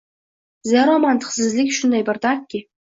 Zero, mantiqsizlik shunday bir dardki